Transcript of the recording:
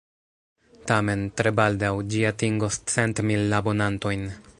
Tamen, tre baldaŭ, ĝi atingos centmil abonantojn.